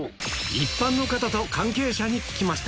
一般の方と関係者に聞きました。